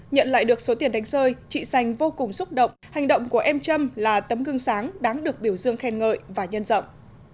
nhận lại được số tiền đánh rơi chị sanh vô cùng xúc động hành động của em trâm là tấm gương sáng đáng được biểu dương khen ngợi và nhân rộng